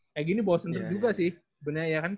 kayak gini bosen juga sih bener ya kan